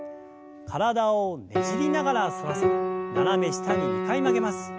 体をねじりながら反らせ斜め下に２回曲げます。